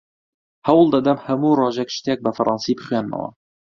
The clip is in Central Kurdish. هەوڵ دەدەم هەموو ڕۆژێک شتێک بە فەڕەنسی بخوێنمەوە.